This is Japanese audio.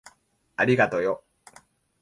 ありがとよ。